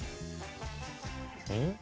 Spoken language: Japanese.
うん？